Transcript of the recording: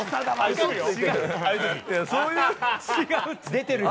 出てるよ。